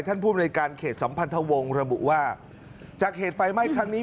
ภูมิในการเขตสัมพันธวงศ์ระบุว่าจากเหตุไฟไหม้ครั้งนี้